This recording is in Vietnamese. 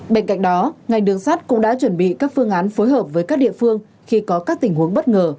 bên cạnh đó ngành đường sắt cũng đã chuẩn bị các phương án phối hợp với các địa phương khi có các tình huống bất ngờ